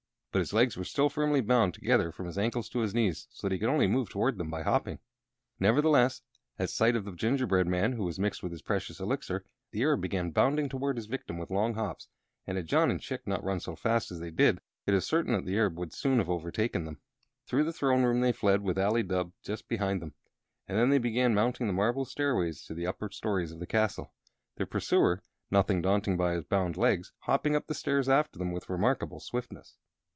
But his legs were still firmly bound together from his ankles to his knees, so that he could only move toward them by hopping. Nevertheless, at sight of the gingerbread man, who was mixed with his precious Elixir, the Arab began bounding toward his victim with long hops, and had John and Chick not run so fast as they did it is certain the Arab would soon have overtaken them. Through the throne room they fled, with Ali Dubh just behind them, and then they began mounting the marble stairways to the upper stories of the castle. Their pursuer, nothing daunted by his bound legs, hopped up the stairs after them with remarkable swiftness.